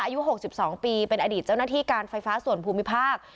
อายุ๖๒ปีเป็นอดีตเจ้าหน้าที่การไฟฟ้าส่วนภูมิภาค